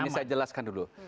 ini saya jelaskan dulu